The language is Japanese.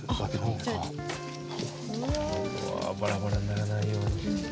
うわバラバラにならないように。